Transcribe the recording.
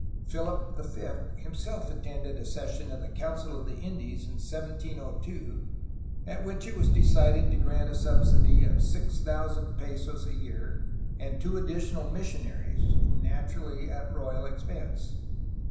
Philip V himself attended a session of the Council of the Indies in 1702 at which it was decided to grant asubsidy of 6000 pesos a year and two addi tional missionaries (naturally, at royal expense).